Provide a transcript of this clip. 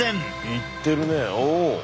いってるねおお！